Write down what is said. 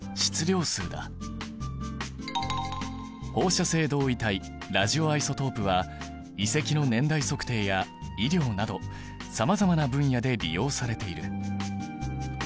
放射性同位体ラジオアイソトープは遺跡の年代測定や医療などさまざまな分野で利用されている。